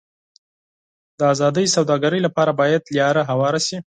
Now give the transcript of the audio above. د ازادې سوداګرۍ لپاره باید لار هواره شي.